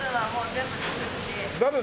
全部。